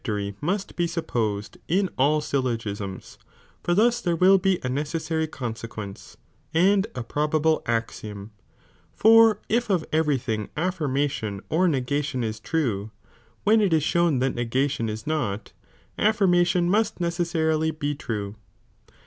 toiy must bo supposed in all syllogisms,' mi mm for thus there will be a necessary (consequence), 'tieibuve and a probable axiom,^ for if of every thing nf Graiation or negation (is true), when it is shown that negation ' is not, affirmation must necessarily be true.